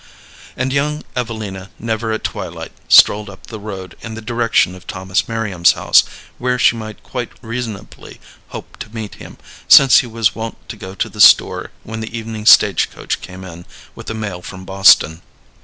And young Evelina never at twilight strolled up the road in the direction of Thomas Merriam's home, where she might quite reasonably hope to meet him, since he was wont to go to the store when the evening stage coach came in with the mail from Boston.